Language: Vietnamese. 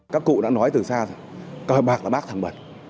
các cụ đã nói từ xa rồi cơ bạc là bác thằng bẩn